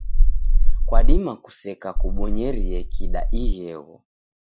Kwadima kuseka kubonyerie kida ighegho.